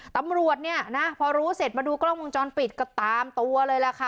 ตำรวจเนี่ยนะพอรู้เสร็จมาดูกล้องวงจรปิดก็ตามตัวเลยล่ะค่ะ